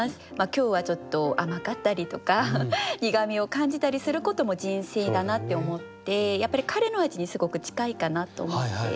今日はちょっと甘かったりとか苦みを感じたりすることも人生だなって思ってやっぱりカレーの味にすごく近いかなと思って。